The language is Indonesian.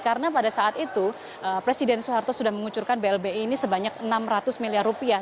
karena pada saat itu presiden soeharto sudah mengucurkan blbi ini sebanyak enam ratus miliar rupiah